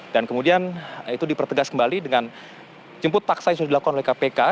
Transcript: dan kemudian itu dipertegas kembali dengan jemput paksa yang sudah dilakukan oleh kpk